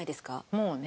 もうね。